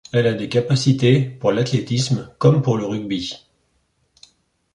Elle a des capacités pour l'athlétisme comme pour le rugby.